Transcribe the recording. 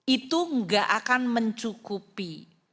itu enggak akan mencukupi